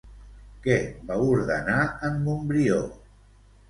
Què va ordenar en Montbrió?